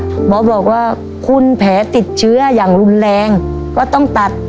หมอบอกว่าคุณแผลติดเชื้ออย่างรุนแรงก็ต้องตัด